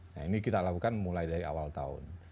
nah ini kita lakukan mulai dari awal tahun